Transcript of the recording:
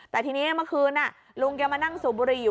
แต่ทีนี้เมื่อคืนลุงแกมานั่งสูบบุหรี่อยู่